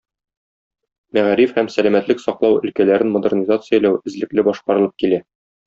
Мәгариф һәм сәламәтлек саклау өлкәләрен модернизацияләү эзлекле башкарылып килә.